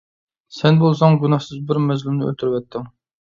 سەن بولساڭ گۇناھسىز بىر مەزلۇمنى ئۆلتۈرۈۋەتتىڭ.